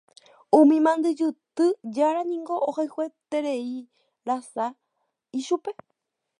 Umi mandyjuty jára niko ohayhuetereirasa ichupe.